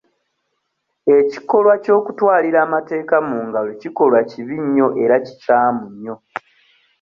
Ekikolwa ky'okutwalira amateeka mu ngalo kikolwa kibi nnyo era kikyamu nnyo.